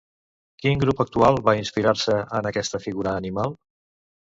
Quin grup actual va inspirar-se en aquesta figura animal?